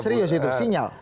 serius itu sinyal